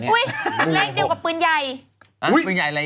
อุ๊ยและเดี๋ยวกับปืนใหญ่